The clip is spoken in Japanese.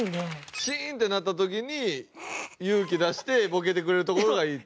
シーンってなった時に勇気出してボケてくれるところがいいって。